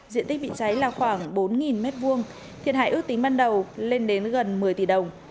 diện tích bị cháy là khoảng bốn m hai thiệt hại ước tính ban đầu lên đến gần một mươi tỷ đồng